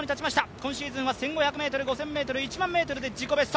今シーズンは１５００ｍ、５０００ｍ、１００００ｍで自己ベスト。